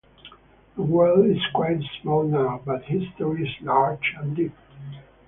The world is quite small now; but history is large and deep.